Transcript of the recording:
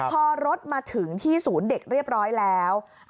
พอรถมาถึงที่ศูนย์เด็กเรียบร้อยแล้ว